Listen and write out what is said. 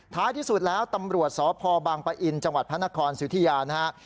ที่สุดแล้วตำรวจสพบางปะอินจังหวัดพระนครสุธิยานะฮะ